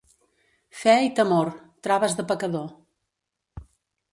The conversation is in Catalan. Fe i temor, traves de pecador.